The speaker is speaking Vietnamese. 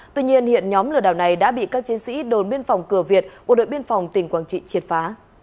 tuy nhiên hiện nhóm lừa đảo này đã bị các chiến sĩ đồn biên phòng cửa việt bộ đội biên phòng tỉnh quảng trị triệt phá